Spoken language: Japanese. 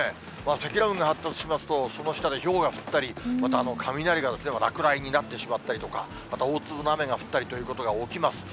積乱雲が発達しますと、その下でひょうが降ったり、また雷が、落雷になってしまったりとか、また大粒の雨が降ったりということが起きます。